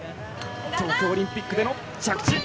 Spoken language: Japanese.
東京オリンピックでの着地。